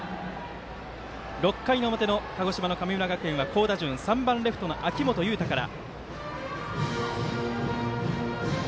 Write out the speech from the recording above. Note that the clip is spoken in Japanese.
６回の表の鹿児島の神村学園は好打順３番レフトの秋元悠汰から。